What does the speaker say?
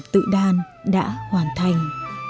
tự đan đã hoàn thành